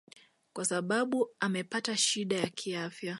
kwa sababu amepata shida ya kiafya